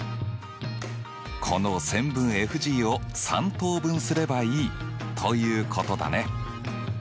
この線分ＦＧを３等分すればいいということだね。